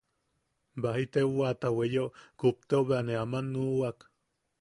Baji taewata weyeo kupteo bea ne aman nuʼuwak.